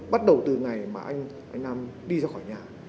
bắt đầu từ ngày mà anh nam đi ra khỏi nhà